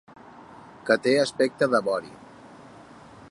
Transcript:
Que té aspecte de vori.